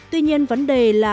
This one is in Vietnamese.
tuy nhiên vấn đề là